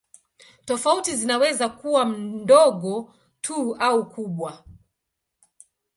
Tofauti zinaweza kuwa ndogo tu au kubwa.